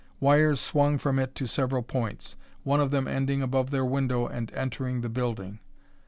Wires swung from it to several points, one of them ending above their window and entering the building.